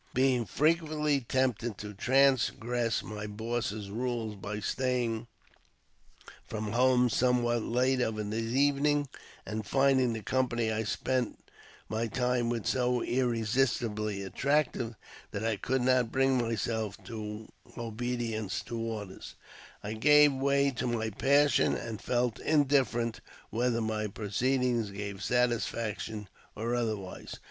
Being frequently tempted to transgress my boss's rules by staying from home somewhat late of an evening, and finding the company I spent my time with so irresistibly attractive that I could not bring myself to obedience to orders, I gave way to my passion, and felt indifferent whether my proceed ings gave satisfaction or otherwise.